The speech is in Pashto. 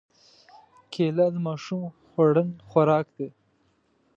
کېله د ماشوم خوړن خوراک دی.